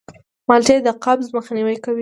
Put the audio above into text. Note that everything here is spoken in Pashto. مالټې د قبض مخنیوی کوي.